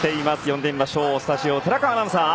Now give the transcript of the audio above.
呼んでみましょうスタジオ、寺川アナウンサー。